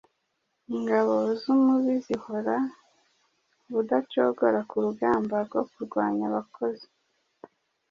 Ingabo z’umubi zihora ubudacogora ku rugamba rwo kurwanya abakozi